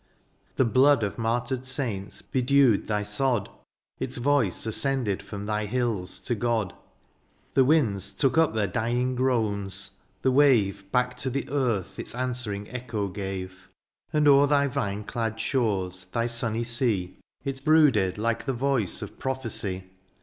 The blood of martyred saints bedewed thy sod, — Its voice ascended from thy hills to God ; The winds took up their dying groans — ^the wave Back to the earth its answering echo gave. And o'er thy vine clad shores, thy sunny sea. It brooded like the voice of prophecy.